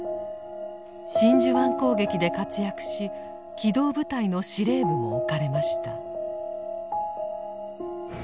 真珠湾攻撃で活躍し機動部隊の司令部も置かれました。